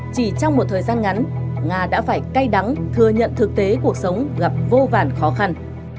chỉ trong một thời gian ngắn nga đã phải cay đắng thừa nhận thực tế cuộc sống gặp vô vàn khó khăn